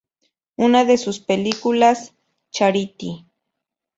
Una de sus películas, "Charity?